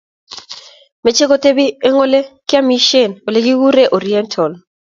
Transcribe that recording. Mechei kotebi eng olegiamishen olegiguree Oriental